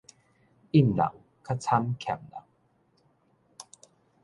允人較慘欠人